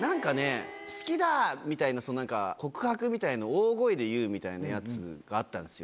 好きだー！みたいな、告白みたいなのを大声で言うみたいなやつがあったんですよ。